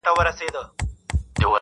• په تلاښ د وظیفې سوه د خپل ځانه,